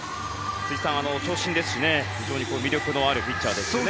辻さん、長身ですし非常に魅力のあるピッチャーですね。